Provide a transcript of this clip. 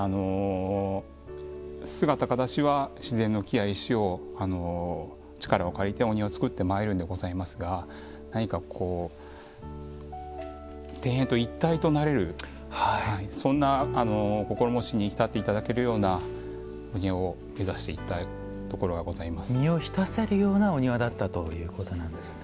姿形は自然の木や石を力を借りてお庭を造ってまいるんでございますが何か庭園と一体となれるそんな心持ちに浸っていただけるようなお庭を目指していったところが身を浸せるようなお庭だったということなんですね。